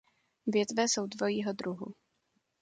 Větve jsou dvojího druhu.